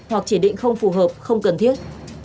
hoặc chỉ định không phù hợp không cần thiết